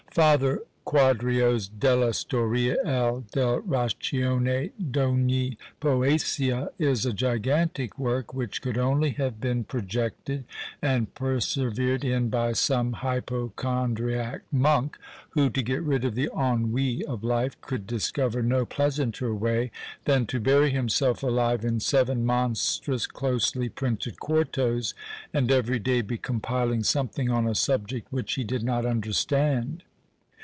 Father Quadrio's Della Storia e dell' ragione d' ogni Poesia, is a gigantic work, which could only have been projected and persevered in by some hypochondriac monk, who, to get rid of the ennui of life, could discover no pleasanter way than to bury himself alive in seven monstrous closely printed quartos, and every day be compiling something on a subject which he did not understand.